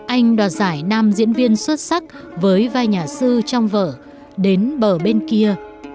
anh đoạt giải nam diễn viên xuất sắc với vai nhà sư trong vở đến bờ bên kia